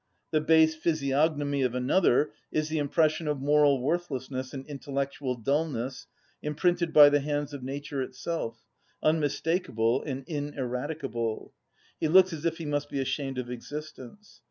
The base physiognomy of another is the impression of moral worthlessness and intellectual dulness, imprinted by the hands of nature itself, unmistakable and ineradicable; he looks as if he must be ashamed of existence.